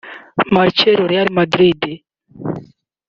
Marcelo (Real Madrid)